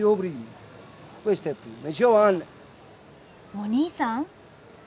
お兄さん？